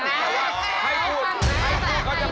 แต่ว่าให้คุณก็จะไม่ยอม